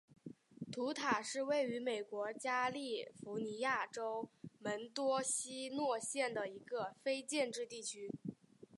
塔图是位于美国加利福尼亚州门多西诺县的一个非建制地区。